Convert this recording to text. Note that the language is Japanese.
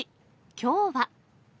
きょうは。